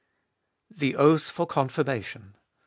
7. "The oath for confirmation."